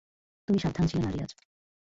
তুমি সাবধান ছিলে না, রিয়াজ।